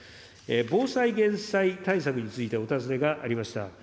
防災・減災対策についてお尋ねがありました。